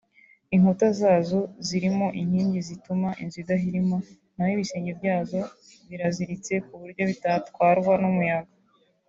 Inkuta zazo zirimo inkingi zituma inzu idahirima naho ibisenge byazo biraziritse kuburyo bitatwarwa n’umuyaga